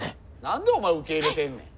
何でお前受け入れてんねん。